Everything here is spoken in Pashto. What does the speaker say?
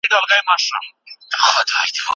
هغه د خپلو لاسونو په مینځلو بوخت دی.